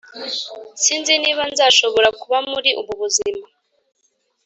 sinzi niba nzashobora kuba muri ubu buzima